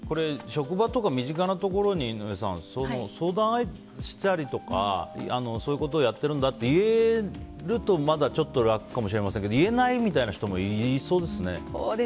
職場とか身近なところに相談したりとかそういうことをやっていると言えるとまだ楽かもしれないですけど言えないみたいな人もいそうですね。